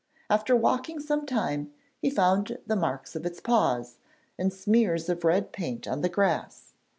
After walking some time he found the marks of its paws, and smears of red paint on the grass.